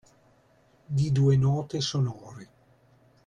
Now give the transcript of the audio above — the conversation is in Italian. Di due note sonore